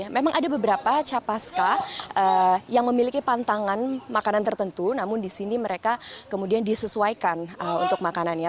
memang ada beberapa capaska yang memiliki pantangan makanan tertentu namun di sini mereka kemudian disesuaikan untuk makanannya